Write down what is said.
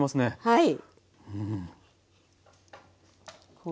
はい。